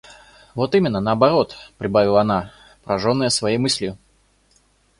Вот именно наоборот, — прибавила она, пораженная своею мыслью.